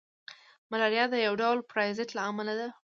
ملاریا د یو ډول پرازیت له امله ده